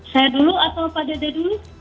saya dulu atau pak dede dulu